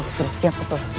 aku sudah siap betul